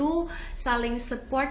untuk saling support